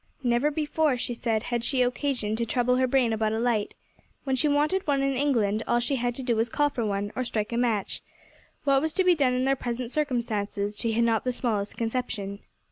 Never before, she said, had she occasion to trouble her brain about a light. When she wanted one in England, all she had to do was to call for one, or strike a match. What was to be done in their present circumstances she had not the smallest conception.